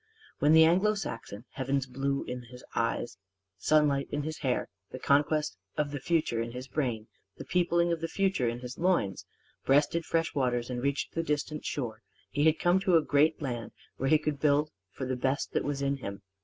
When the Anglo Saxon, heaven's blue in his eyes, sunlight in his hair, the conquest of the future in his brain, the peopling of the future in his loins, breasted fresh waters and reached the distant shore, he had come to a great land where he could build for the best that was in him.